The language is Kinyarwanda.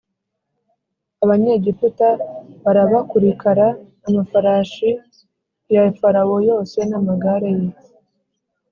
“abanyegiputa barabakurikara; amafarashi ya farawo yose n’amagare ye,